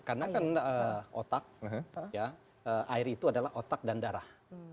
karena kan otak air itu adalah otak dan darah